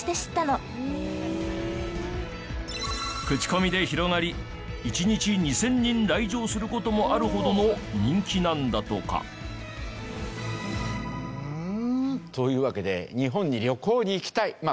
口コミで広がり１日２０００人来場する事もあるほどの人気なんだとか。というわけで日本に旅行に行きたい。